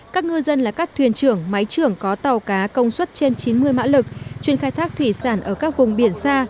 các ngư dân là các thuyền trưởng máy trưởng có tàu cá công suất trên chín mươi mã lực chuyên khai thác thủy sản ở các vùng biển xa